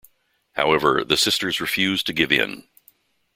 However, the sisters refuse to give in.